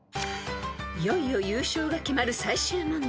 ［いよいよ優勝が決まる最終問題］